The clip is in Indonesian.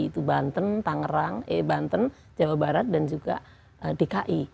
itu banten tangerang eh banten jawa barat dan juga dki